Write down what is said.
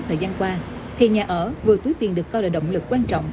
thời gian qua thì nhà ở vừa túi tiền được coi là động lực quan trọng